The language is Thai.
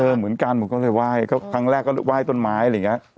เหมือนกันผมก็เลยไหว้ครั้งแรกก็ไหว้ต้นไม้อะไรอย่างเงี้ย